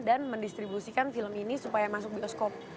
dan mendistribusikan film ini supaya masuk bioskop